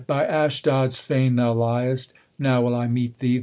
By Ashdod's fane thou ly'st. Now will I meet thee.